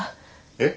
えっ。